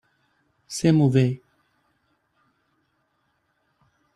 C'est mauvais.